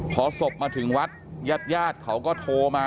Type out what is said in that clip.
พอศพมาถึงวัดญาติญาติเขาก็โทรมา